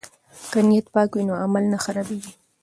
که نیت پاک وي نو عمل نه خرابیږي.